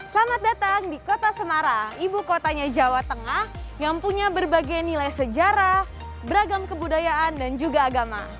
selamat datang di kota semarang ibu kotanya jawa tengah yang punya berbagai nilai sejarah beragam kebudayaan dan juga agama